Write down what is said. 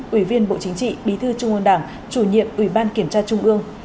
ủy viên bộ chính trị bí thư trung ương đảng chủ nhiệm ủy ban kiểm tra trung ương